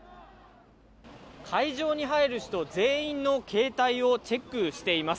会場に入る人全員の携帯をチェックしています。